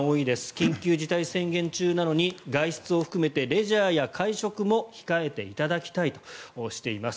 緊急事態宣言中なので外出を含めてレジャーや会食も控えていただきたいとしています。